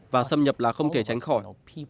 và xâm nhập là không thể tránh khỏi